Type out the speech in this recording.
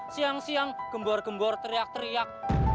siang siang gembor gembor teriak teriak